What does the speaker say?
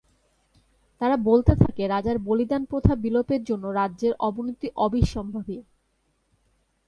তারা বলতে থাকে রাজার "বলিদান" প্রথা বিলোপের জন্য রাজ্যের অবনতি অবশ্যম্ভাবী।